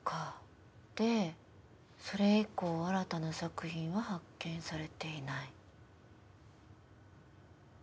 でそれ以降新たな作品は発見されていない。